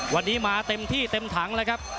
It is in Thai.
วันนี้มาเต็มที่เต็มถังแล้วครับ